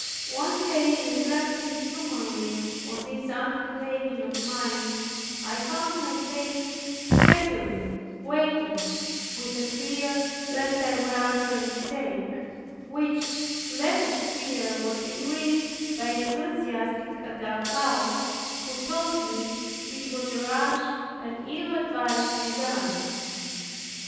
One day reflecting humanly on this undertaking of mine, I found my faith staggering, weakened with a fear lest I were under a mistake, which slavish fear was increased by an ecclesiastic at our house, who told me it was a rash and ill advised design.